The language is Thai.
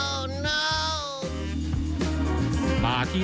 โอ้ไม่